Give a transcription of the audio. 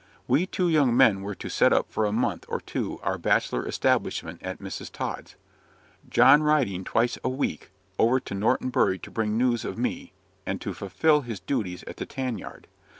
We two young men were to set up for a month or two our bachelor establishment at Mrs. Tod's: John riding thrice a week over to Norton Bury to bring news of me, and to fulfil his duties at the tan yard.